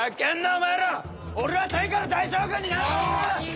お前ら俺は天下の大将軍になる男だ。